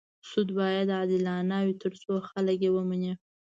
سود باید عادلانه وي تر څو خلک یې ومني.